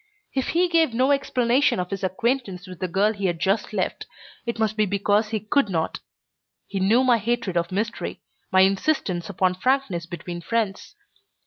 If he gave no explanation of his acquaintance with the girl he had just left, it must be because he could not. He knew my hatred of mystery, my insistence upon frankness between friends.